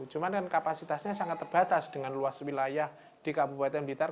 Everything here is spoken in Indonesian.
cuma kan kapasitasnya sangat terbatas dengan luas wilayah di kabupaten blitar